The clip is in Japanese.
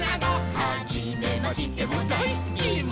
「はじめましてもだいすきも」